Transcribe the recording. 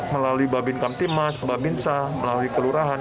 melalui babin kamtimas babinsa melalui kelurahan